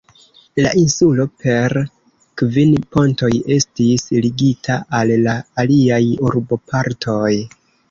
La insulo per kvin pontoj estis ligita al la aliaj urbopartoj.